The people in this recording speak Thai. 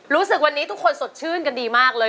รู้สึกวันนี้ทุกคนสดชื่นกันดีมากเลย